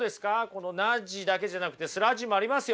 このナッジだけじゃなくてスラッジもありますよ。